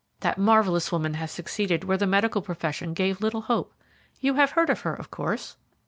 That marvellous woman has succeeded where the medical profession gave little hope. You have heard of her, of course?"